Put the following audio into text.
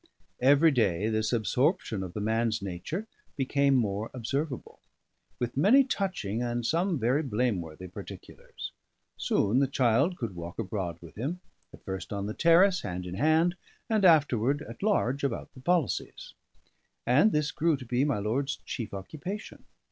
Every day this absorption of the man's nature became more observable, with many touching and some very blameworthy particulars. Soon the child could walk abroad with him, at first on the terrace, hand in hand, and afterward at large about the policies; and this grew to be my lord's chief occupation.